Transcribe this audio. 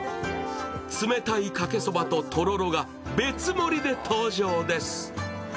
冷たいかけそばととろろが別盛りで登場です。